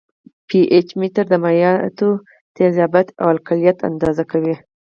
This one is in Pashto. پي ایچ متر د مایعاتو تیزابیت او القلیت اندازه کوي.